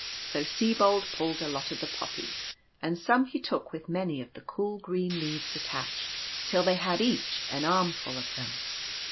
So Sibold pulled a lot of the Poppies, and some he took with many of the cool green leaves attached, till they had each an armful of them.